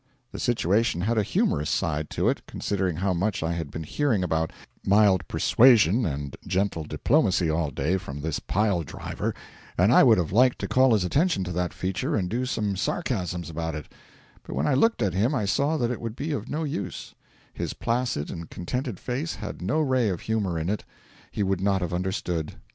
The situation had a humorous side to it, considering how much I had been hearing about mild persuasion and gentle diplomacy all day from this pile driver, and I would have liked to call his attention to that feature and do some sarcasms about it; but when I looked at him I saw that it would be of no use his placid and contented face had no ray of humour in it; he would not have understood.